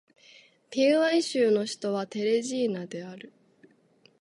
ピアウイ州の州都はテレジーナである